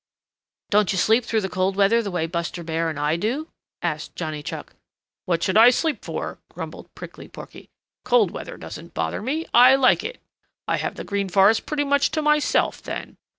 "Don't you sleep through the cold weather the way Buster Bear and I do?" asked Johnny Chuck. "What should I sleep for?" grumbled Prickly Porky. "Cold weather doesn't bother me. I like it. I have the Green Forest pretty much to myself then.